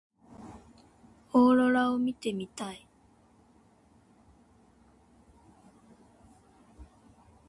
オーロラ見てみたい。